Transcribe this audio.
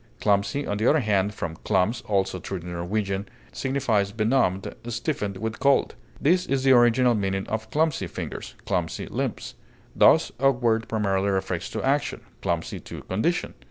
Clumsy, on the other hand (from clumse, also through the Norwegian), signifies benumbed, stiffened with cold; this is the original meaning of clumsy fingers, clumsy limbs. Thus, awkward primarily refers to action, clumsy to condition.